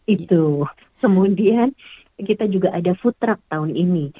itu kemudian kita juga ada food truck tahun ini